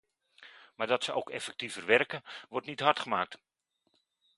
Maar dat ze ook effectiever werken, wordt niet hardgemaakt.